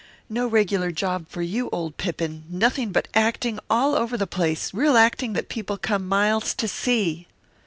"No regular job for you, old Pippin nothing but acting all over the place real acting that people come miles to see."